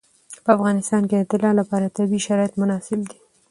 په افغانستان کې د طلا لپاره طبیعي شرایط مناسب دي.